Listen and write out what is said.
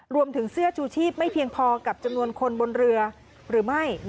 เสื้อชูชีพไม่เพียงพอกับจำนวนคนบนเรือหรือไม่